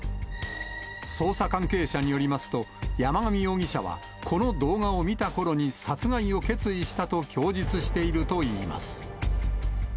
捜査関係者によりますと、山上容疑者は、この動画を見たころに殺害を決意したと供述しているといいます。